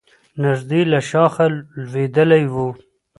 نژدې له شاخه لوېدلی و.